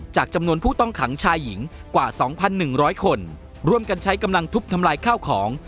จำนวนผู้ต้องขังชายหญิงกว่า๒๑๐๐คนร่วมกันใช้กำลังทุบทำลายข้าวของ